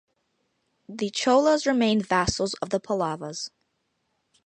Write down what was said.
The Cholas remain vassals of the Pallavas.